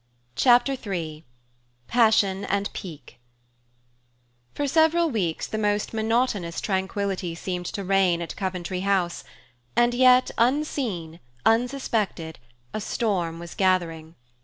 Chapter III PASSION AND PIQUE For several weeks the most monotonous tranquillity seemed to reign at Coventry House, and yet, unseen, unsuspected, a storm was gathering.